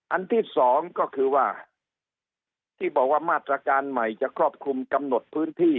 อันที่สองก็คือว่าที่บอกว่ามาตรการใหม่จะครอบคลุมกำหนดพื้นที่